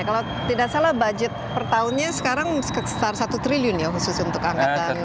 kalau tidak salah budget per tahunnya sekarang sekitar satu triliun ya khusus untuk angkatan